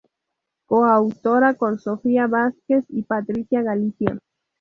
Coautora con Sofía Vásquez y Patricia Galicia.